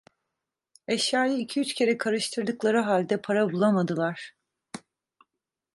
Eşyayı iki üç kere karıştırdıkları halde para bulamadılar.